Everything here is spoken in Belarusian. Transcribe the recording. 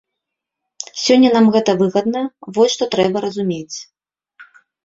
Сёння нам гэта выгадна, вось што трэба разумець.